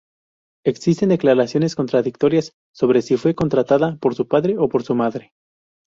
Existen declaraciones contradictorias sobre si fue encontrada por su padre o por su madre.